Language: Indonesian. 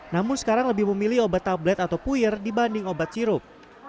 namun sekarang lebih memilih obat tablet atau puir dibanding obat sirup